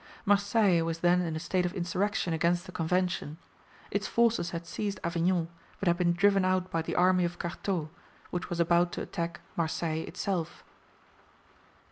Marseilles was then in a state of insurrection against the Convention. Its forces had seized Avignon, but had been driven out by the army of Carteaux, which was about to attack Marseilles itself."